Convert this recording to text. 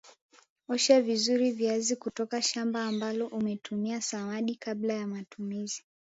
Osha vizuri viazi kutoka shamba ambalo umetumia samadi kabla ya matumizi